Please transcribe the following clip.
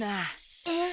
えっ。